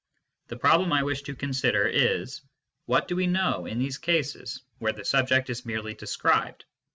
The problem I wish to consider is : Wha.^ fa we know in these cases, where the subject is merely described?